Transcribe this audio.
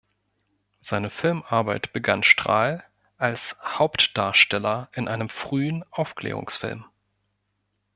Seine Filmarbeit begann Strahl als Hauptdarsteller in einem frühen Aufklärungsfilm.